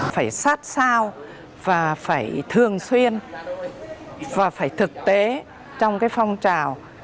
phải sát sao và phải thường xuyên và phải thực tế trong cái phong trào